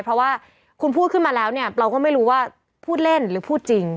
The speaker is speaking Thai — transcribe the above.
เพราะว่าคุณพูดขึ้นมาแล้วเนี่ยเราก็ไม่รู้ว่าพูดเล่นหรือพูดจริง